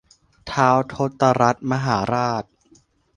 ท้าวธตรัฐมหาราช